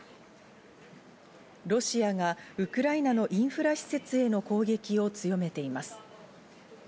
ロシアがウクライナのインフラ施設への攻撃を強めています。